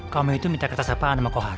kamu itu minta kertas apaan sama kohar